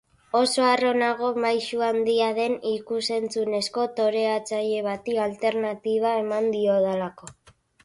Oso harro nago maisu handia den ikus-entzunezko toreatzaile bati alternatiba eman diodalako.